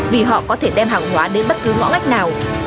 vì họ có thể đem hàng hóa đến bất cứ ngõ ngách nào